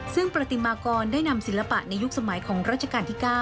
ซึ่งประติมากรได้นำศิลปะในยุคสมัยของรัชกาลที่๙